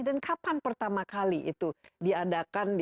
dan kapan pertama kali itu diadakan